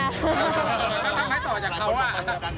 ต้องรับไม้ต่อจากเขาอะ